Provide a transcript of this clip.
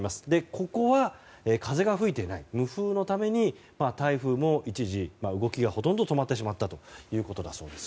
ここは風が吹いていない無風のために台風も一時、動きがほとんど止まってしまったということだそうです。